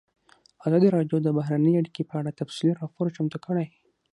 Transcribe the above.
ازادي راډیو د بهرنۍ اړیکې په اړه تفصیلي راپور چمتو کړی.